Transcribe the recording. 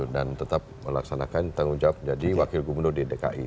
dan tetap melaksanakan tanggung jawab jadi wakil gubernur di dki